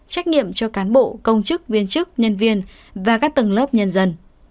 trách nhiệm cho cán bộ công chức viên chức nhân viên và các tầng lớp nhân dân